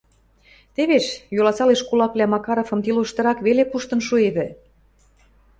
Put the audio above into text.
Тӹвеш, Йоласалеш кулаквлӓ Макаровым тилоштырак веле пуштын шуэвӹ.